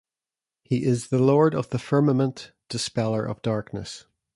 He is the Lord of the firmament, dispeller of darkness.